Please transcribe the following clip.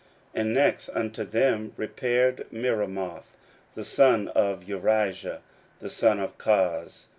16:003:004 And next unto them repaired Meremoth the son of Urijah, the son of Koz.